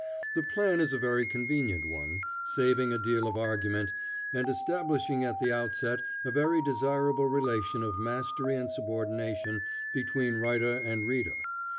The plan is a very convenient one, saving a deal of argument, and establishing in the outset a very desirable relation of mastery and subordination between writer and reader.